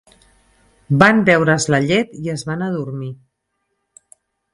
Van beure's la llet i es van adormir.